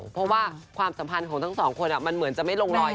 เพราะว่าความสัมพันธ์ของทั้งสองคนมันเหมือนจะไม่ลงรอย